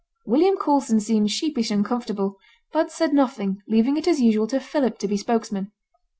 William Coulson seemed sheepish and uncomfortable, but said nothing, leaving it as usual to Philip to be spokesman.